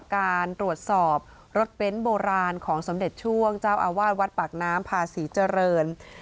การตรวจสอบรถเบ้นโบราณของสมเด็จช่วงเจ้าอาวาสวัดปากน้ำพาศรีเจริญ